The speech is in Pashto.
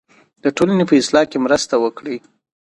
د ټولنې په اصلاح کې مرسته وکړئ.